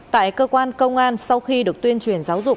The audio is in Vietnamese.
tại cơ quan công an sau khi được tuyên truyền giáo dục